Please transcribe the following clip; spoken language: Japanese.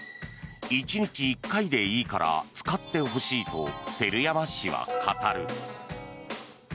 １日１回でいいから使ってほしいと、照山氏は語る。